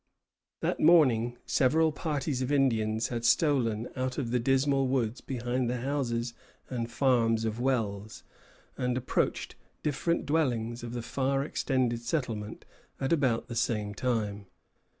That morning several parties of Indians had stolen out of the dismal woods behind the houses and farms of Wells, and approached different dwellings of the far extended settlement at about the same time.